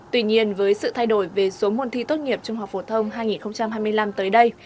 tuy nhiên với sự thay đổi về số môn thi tốt nghiệp trung học phổ thông hai nghìn hai mươi năm tới đây